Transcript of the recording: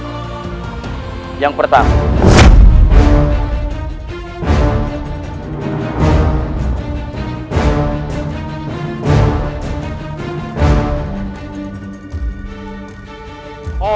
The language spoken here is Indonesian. dia layak untuk mengembang tugas kita